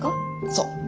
そう。